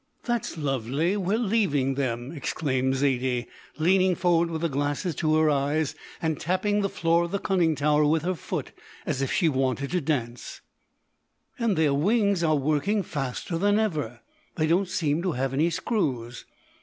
"That's lovely; we're leaving them!" exclaimed Zaidie, leaning forward with the glasses to her eyes and tapping the floor of the conning tower with her foot as if she wanted to dance, "and their wings are working faster than ever. They don't seem to have any screws."